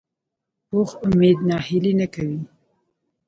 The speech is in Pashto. پوخ امید ناهیلي نه کوي